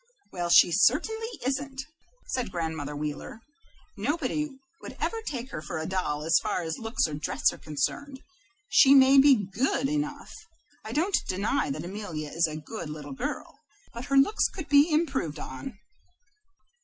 "Well, she certainly isn't," said Grandmother Wheeler. "Nobody would ever take her for a doll as far as looks or dress are concerned. She may be GOOD enough. I don't deny that Amelia is a good little girl, but her looks could be improved on."